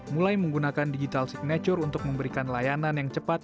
mulai menggunakan digital signature untuk memberikan layanan yang cepat